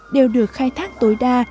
đều được khai thác tối đa